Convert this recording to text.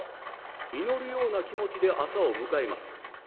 祈るような気持ちで朝を迎えます。